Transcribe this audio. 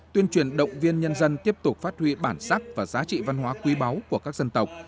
tuyên truyền động viên nhân dân tiếp tục phát huy bản sắc và giá trị văn hóa quý báu của các dân tộc